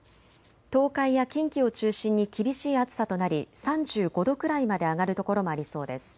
東海や近畿を中心に厳しい暑さとなり３５度くらいまで上がる所もありそうです。